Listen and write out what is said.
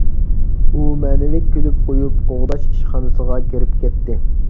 ئۇ مەنىلىك كۈلۈپ قويۇپ، قوغداش ئىشخانىسىغا كىرىپ كەتتى.